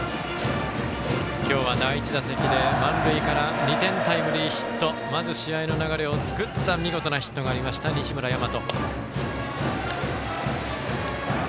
今日は第１打席で満塁から２点タイムリーヒットまず試合の流れを作った見事なヒットがありました西村大和。